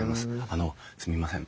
あのすみません。